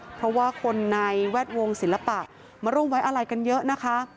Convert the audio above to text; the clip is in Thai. เพราะว่าคนในแวดวงศิลปะมาร่วมไว้อะไรกันเยอะนะคะ